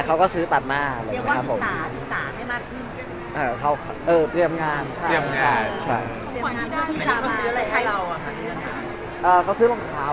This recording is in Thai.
เขาบอกเกาหลีเขาจะมีเคล็ดของเขา